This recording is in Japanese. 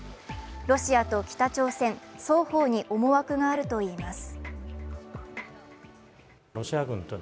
ロシアと北朝鮮、双方に思惑があるといいます。